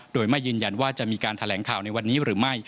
โดยไม่ยืนยันว่าจะมีการแถลงข่าวในวันนี้หรือไม่